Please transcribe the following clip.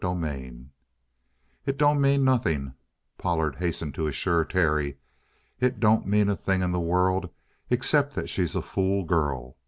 CHAPTER 26 "It don't mean nothing," Pollard hastened to assure Terry. "It don't mean a thing in the world except that she's a fool girl.